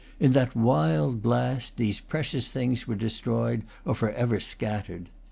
In that wild blast these precious things were destroyed or forever scattered.